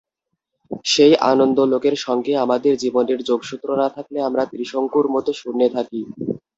সেই আনন্দলোকের সঙ্গে আমাদের জীবনের যোগসূত্র না থাকলে আমরা ত্রিশঙ্কুর মতো শূন্যে থাকি।